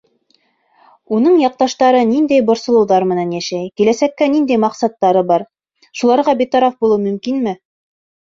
Уның яҡташтары ниндәй борсолоуҙар менән йәшәй, киләсәккә ниндәй маҡсаттары бар — шуларға битараф булыу мөмкинме?